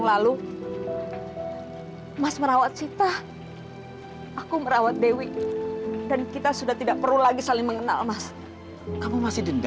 sampai jumpa di video selanjutnya